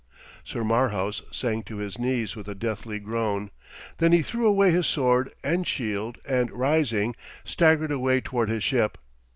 Sir Marhaus sank to his knees with a deathly groan; then he threw away his sword and shield, and rising, staggered away towards his ship.